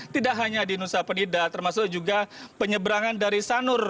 tidak hanya di nusa penida termasuk juga penyeberangan dari sanur